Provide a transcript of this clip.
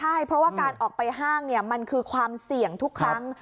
ใช่เพราะว่าการออกไปห้างมันคือความเสี่ยงทุกครั้ง